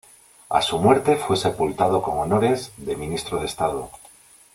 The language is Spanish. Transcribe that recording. A su muerte fue sepultado con honores de Ministro de Estado.